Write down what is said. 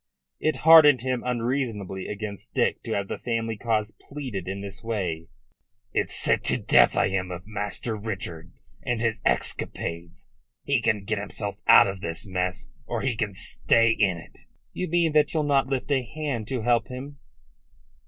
It hardened him unreasonably against Dick to have the family cause pleaded in this way. "It's sick to death I am of Master Richard and his escapades. He can get himself out of this mess, or he can stay in it." "You mean that you'll not lift a hand to help him."